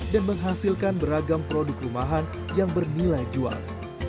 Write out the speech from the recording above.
dan menghasilkan beragam produk rumahan yang bernilai jual